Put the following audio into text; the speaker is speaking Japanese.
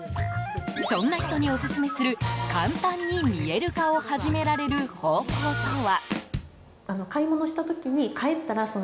そんな人にオススメする簡単に、見える化を始められる方法とは。